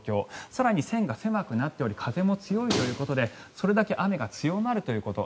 更に線が狭くなっており風も強いということでそれだけ雨が強まるということ。